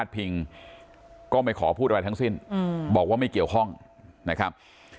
ก็ไม่ขอพูดอะไรทั้งสิ้นบอกว่าไม่เกี่ยวข้องนะครับ